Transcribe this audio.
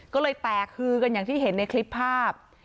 ก็เลยแตกคือกันอย่างที่เห็นในคลิปภาพ